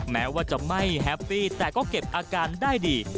แม้ว่าจะไม่แฮปปี้แต่ก็เก็บอาการได้ดี